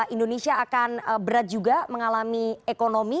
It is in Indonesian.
indonesia akan berat juga mengalami ekonomi